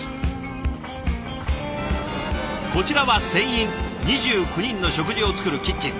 こちらは船員２９人の食事を作るキッチン。